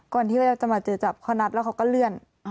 ที่ว่าจะมาเจอจับเขานัดแล้วเขาก็เลื่อน